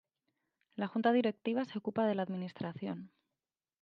La Junta Directiva se ocupa de la administración.